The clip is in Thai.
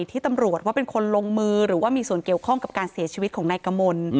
ที่ตำรวจว่าเป็นคนลงมือหรือว่ามีส่วนเกี่ยวข้องกับการเสียชีวิตของนายกมล